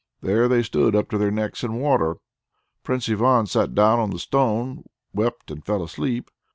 There they stood, up to their necks in water. Prince Ivan sat down on the stone, wept, and fell asleep.